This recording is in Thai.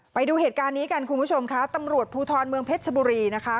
ไปดูเหตุการณ์นี้กันคุณผู้ชมค่ะตำรวจภูทรเมืองเพชรชบุรีนะคะ